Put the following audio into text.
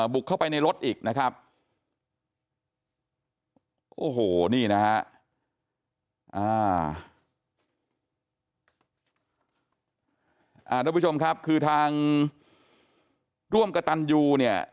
ทุกผู้ชมครับคือทางร่วมกระตันยูเนี่ย